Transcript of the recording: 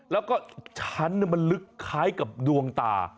แล้วก็ชั้นมันลึกคล้ายกับดวงตา